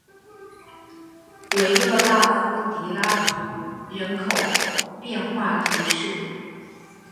维勒纳夫迪拉图人口变化图示